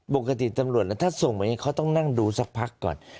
บกติดตำรวจถ้าส่งไว้เขาต้องนั่งดูสักพักก่อน